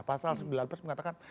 pasal sembilan belas mengatakan